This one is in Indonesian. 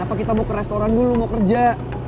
apa kita mau ke restoran dulu mau kerja